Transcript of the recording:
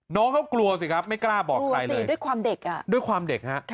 น้องเขากลัวสิครับไม่กล้าบอกใครเลยด้วยความเด็กฮะ